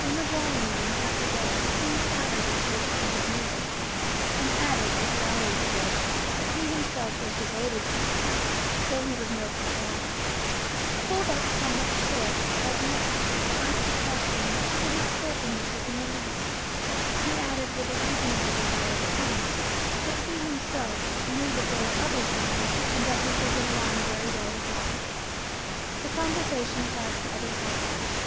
In the drawing room after dinner he inquired if she was fond of music, and added, as he always did, that he himself was devoted to it, though he was no performer. Pulled MINIATURES 227 up somewhat short by Beatrice's frank confession that she did not care for music in the least, he added, with a reasonable desire to please, that he himself knew that there were other things, and that he could get along very well without it. The conversation passed to other topics.